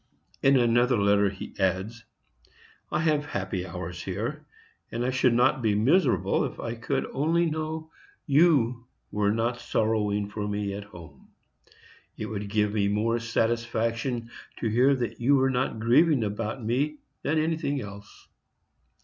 In another letter he adds: I have happy hours here, and I should not be miserable if I could only know you were not sorrowing for me at home. It would give me more satisfaction to hear that you were not grieving about me than anything else.